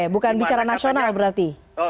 bukan bicara nasional berarti